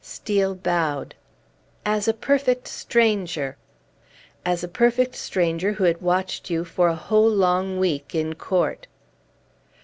Steel bowed. "As a perfect stranger?" "As a perfect stranger who had watched you for a whole long week in court."